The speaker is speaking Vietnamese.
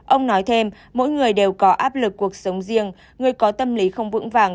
ông nói thêm mỗi người đều có áp lực cuộc sống riêng người có tâm lý không vững vàng